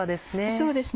そうですね。